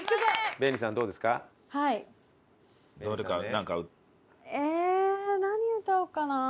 何歌おうかな？